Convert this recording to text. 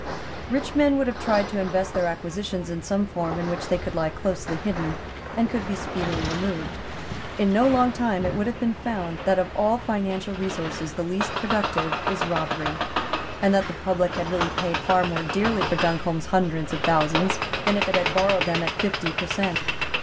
Rich men would have tried to invest their acquisitions in some form in which they could lie closely hidden and could be speedily removed. In no long time it would have been found that of all financial resources the least productive is robbery, and that the public had really paid far more dearly for Duncombe's hundreds of thousands than if it had borrowed them at fifty per cent.